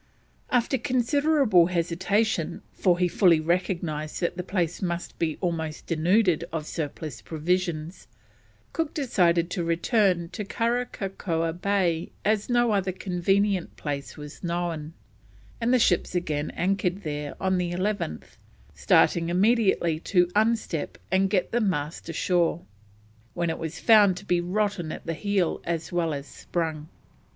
After considerable hesitation, for he fully recognised that the place must be almost denuded of surplus provisions, Cook decided to return to Karakakoa Bay as no other convenient place was known, and the ships again anchored there on the 11th, starting immediately to unstep and get the mast ashore, when it was found to be rotten at the heel as well as sprung.